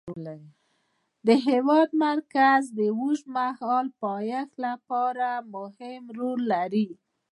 د هېواد مرکز د اوږدمهاله پایښت لپاره مهم رول لري.